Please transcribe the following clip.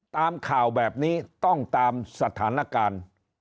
ตามข่าวแบบนี้ต้องตามสถานการณ์